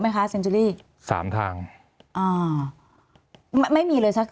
มีความรู้สึกว่ามีความรู้สึกว่ามีความรู้สึกว่า